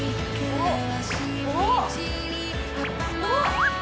おっ！